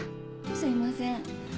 すいません。